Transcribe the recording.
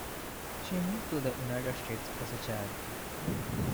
She moved to the United States as a child.